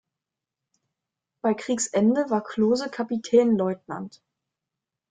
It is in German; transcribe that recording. Bei Kriegsende war Klose Kapitänleutnant.